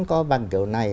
có bằng kiểu này